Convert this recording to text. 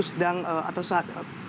sedang atau saat